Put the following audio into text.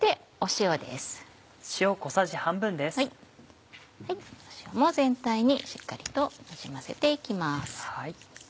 塩も全体にしっかりとなじませて行きます。